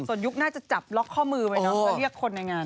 สนยุกน์น่าจะจับล็อกข้อมือไปนะก็เรียกคนในงาน